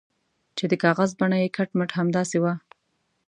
چې د کاغذ بڼه یې کټ مټ همداسې وه.